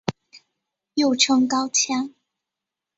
又称高腔。